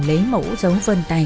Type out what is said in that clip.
lấy mẫu dấu vân tay